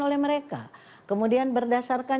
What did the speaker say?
oleh mereka kemudian berdasarkan